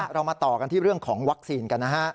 เรามาต่อกันที่เรื่องของวัคซีนกันนะฮะ